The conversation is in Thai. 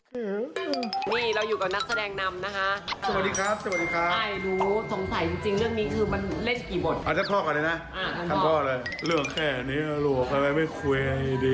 เรื่องแค่นี้ทำไมไม่คุยอย่างดี